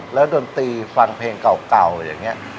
แล้วดนตรีฟังเพลงเก่าอย่างนี้